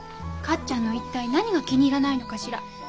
勝ちゃんの一体何が気に入らないのかしら？